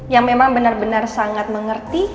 yang memang benar benar sangat mengerti